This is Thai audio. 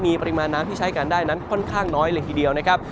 มีปริมาณน้ำที่ใช้กันได้นั้นค่อนข้างน้อยเลยทีเดียวนะครับ